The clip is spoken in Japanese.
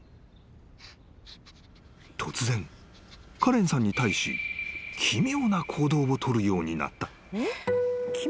［突然カレンさんに対し奇妙な行動を取るようになった］